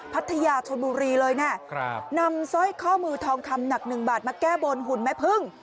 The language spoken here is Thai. พัทยาชนบุรีเลยนะนำสร้อยข้อมือทองคำหนักหนึ่งบาทมาแก้บนหุ่นแม่พึ่ง